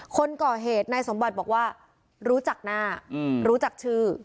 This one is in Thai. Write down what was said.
คนก่อเหตุนายสมบัติบอกว่ารู้จักหน้ารู้จักชื่อ